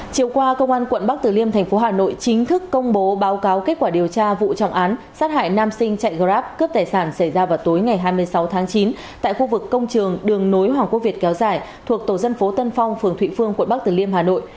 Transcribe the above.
chiều qua công an quận bắc tử liêm thành phố hà nội chính thức công bố báo cáo kết quả điều tra vụ trọng án sát hại nam sinh chạy grab cướp tài sản xảy ra vào tối ngày hai mươi sáu tháng chín tại khu vực công trường đường nối hoàng quốc việt kéo dài thuộc tổ dân phố tân phong phường thụy phương quận bắc tử liêm hà nội